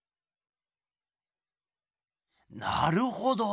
なるほど！